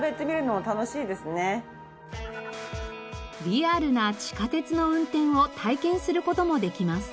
リアルな地下鉄の運転を体験する事もできます。